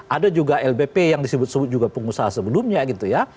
ada juga lbp yang disebut sebut juga pengusaha sebelumnya gitu ya